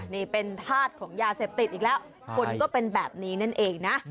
นี่เป็นธาตุของยาเสพติดอีกแล้วคนก็เป็นแบบนี้นั่นเองนะ